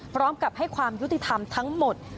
พร้อมกับให้ความยุติธรรมทั้งหมด